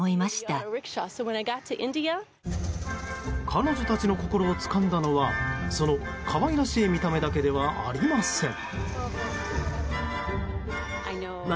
彼女たちの心をつかんだのはその可愛らしい見た目だけではありません。